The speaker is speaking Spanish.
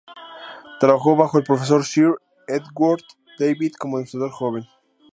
Trabajó bajo el Profesor Sir Edgeworth David como demostrador joven.